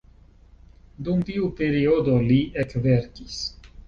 Dum tiu periodo, Li ekverkis.